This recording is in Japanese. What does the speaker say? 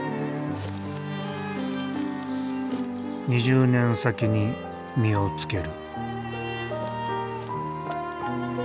２０年先に実をつける。